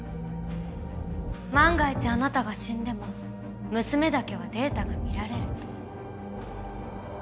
万が一あなたが死んでも娘だけはデータが見られると。